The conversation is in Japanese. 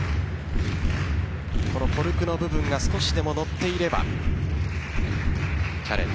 このコルクの部分が少しでも乗っていればチャレンジ